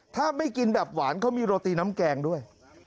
ถ้าไม่กินแบบหวานเขามีโรตีน้ำแกงด้วย